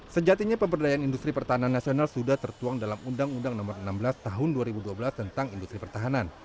sejatinya pemberdayaan industri pertahanan nasional sudah tertuang dalam undang undang nomor enam belas tahun dua ribu dua belas tentang industri pertahanan